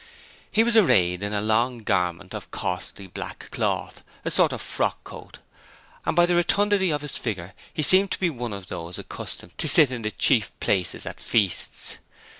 He was arrayed in a long garment of costly black cloth, a sort of frock coat, and by the rotundity of his figure he seemed to be one of those accustomed to sit in the chief places at feasts.